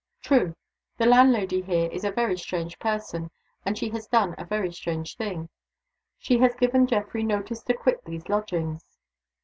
"True. The landlady here is a very strange person; and she has done a very strange thing. She has given Geoffrey notice to quit these lodgings."